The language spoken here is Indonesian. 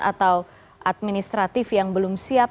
atau administratif yang belum siap